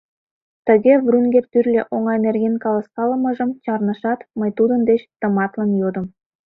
Тыге, Врунгель тӱрлӧ оҥай нерген каласкалымыжым чарнышат, мый тудын деч тыматлын йодым: